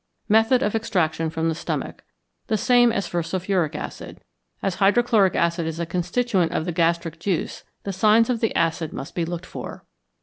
Method of Extraction from the Stomach. The same as for sulphuric acid. As hydrochloric acid is a constituent of the gastric juice, the signs of the acid must be looked for.